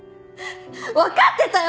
分かってたよ